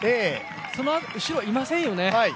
その後ろ、いませんよね